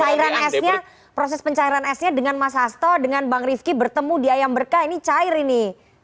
ini proses pencairan s nya dengan mas hasto dengan bang rifki bertemu di ayam berkah ini cair ini